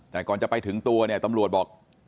แต่ก่อนจะไปถึงตัวเนี่ยตำรวจบอก